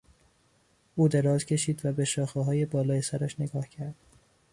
او دراز کشید و به شاخههای بالای سرش نگاه کرد.